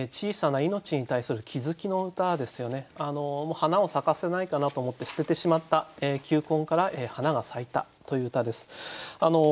花を咲かせないかなと思って捨ててしまった球根から花が咲いたという歌です。